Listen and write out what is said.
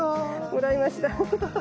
もらいました。